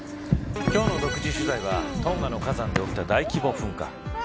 今日の独自取材はトンガの火山で起きた大規模噴火。